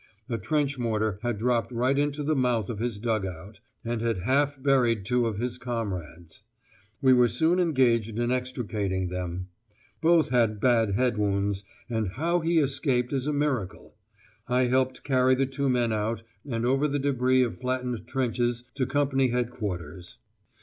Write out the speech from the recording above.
A trench mortar had dropped right into the mouth of his dug out, and had half buried two of his comrades. We were soon engaged in extricating them. Both had bad head wounds, and how he escaped is a miracle. I helped carry the two men out and over the debris of flattened trenches to Company Headquarters.